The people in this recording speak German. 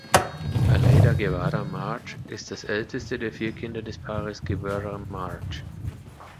Aleida Guevara March ist das älteste der vier Kinder des Paares Guevara March.